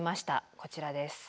こちらです。